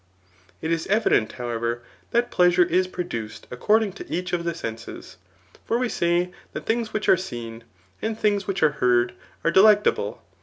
It is evident, however, that pleasure is produced accord ing to each of the senses ; for we say that things which are seen, and things which are heard, are delectable.